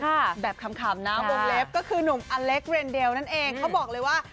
แบบขำนะวงเล็บก็คือหนุ่มอเล็กเรนเดลนั่นเองเขาบอกเลยว่า